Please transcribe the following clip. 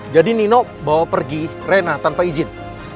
jadi nino bawa pergi rena tanpa izin